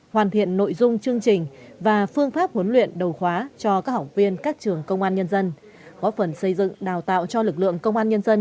hoàn thiện nội dung chương trình và phương pháp huấn luyện đầu khóa cho các học viên các trường công an nhân dân góp phần xây dựng đào tạo cho lực lượng công an nhân dân